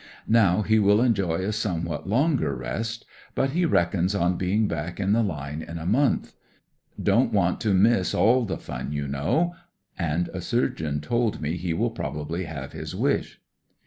Now he will enjoy a somewhat longer rest, but he reckons on I 1 being back in the line in a month. "Don't want to miss aU the fun. you know »_«nd a surgeon told me he wiU probably have his wish.